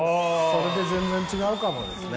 それで全然違うかもですね。